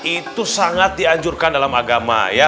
itu sangat dianjurkan dalam agama ya